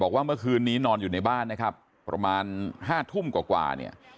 เมื่อคืนนี้นอนอยู่ในบ้านนะครับประมาณ๕ทุ่มกว่าเนี่ย